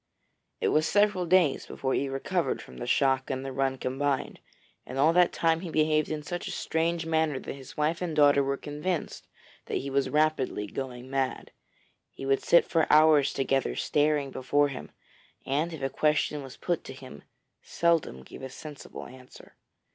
It was several days before he recovered from the shock and the run combined, and all that time he behaved in such a strange manner that his wife and daughter were convinced that he was rapidly going mad. He would sit for hours together staring before him, and if a question was put to him, seldom gave a sensible answer.